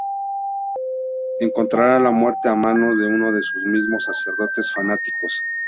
Encontrará la muerte a manos de uno de sus mismos sacerdotes fanáticos.